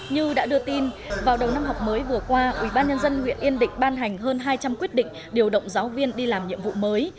như đã đưa tin vào đầu năm học mới vừa qua ubnd huyện yên định ban hành hơn hai trăm linh quyết định điều động giáo viên đi làm nhiệm vụ mới